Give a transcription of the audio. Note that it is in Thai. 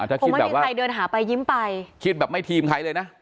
อ่าถ้าคิดแบบว่าคงไม่ได้ใจเดินหาไปยิ้มไปคิดแบบไม่ทีมใครเลยน่ะ